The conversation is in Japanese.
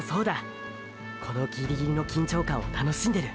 このギリギリの緊張感を楽しんでる！！